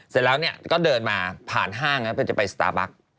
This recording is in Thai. เสร็จแล้วก็เดินมาผ่านห้างเพื่อจะไปสตาร์บัค